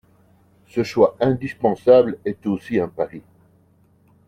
Ce choix indispensable est aussi un pari.